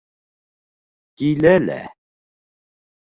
- Килә лә...